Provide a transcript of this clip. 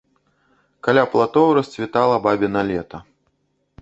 Каля платоў расцвітала бабіна лета.